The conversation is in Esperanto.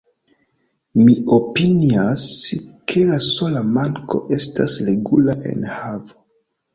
Mi opinias, ke la sola manko estas regula enhavo.